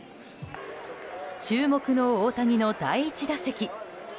注目の大谷の第１打席。